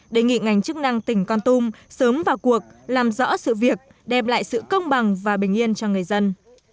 đề nghị ngành chức năng tỉnh con tum sớm vào cuộc làm rõ sự việc đem lại sự công bằng và bình yên cho người dân